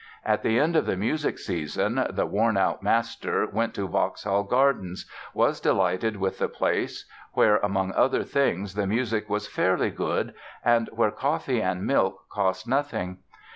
At the end of the music season the "worn out" master, went to Vauxhall Gardens, was delighted with the place where, among other things the music was "fairly good" and where "coffee and milk cost nothing".